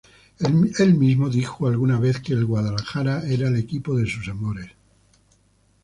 Él mismo dijo alguna vez que el Guadalajara era el equipo de sus amores.